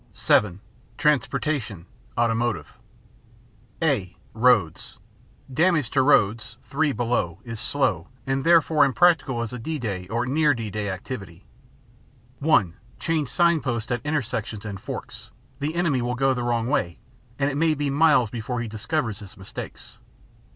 (7) Transportation: Automotive (a) Roads. Damage to roads [(3) below] is slow, and therefore impractical as a D day or near D day activity. (1) Change sign posts at intersections and forks; the enemy will go the wrong way and it may be miles before he discovers his mistakes.